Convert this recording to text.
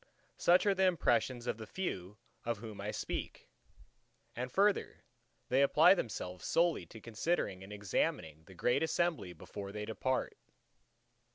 Such are the impressions of the few of whom I speak. And further, they apply themselves solely to considering and examining the great assembly before they depart.